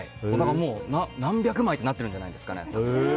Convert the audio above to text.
何百枚ってなってるんじゃないですかね。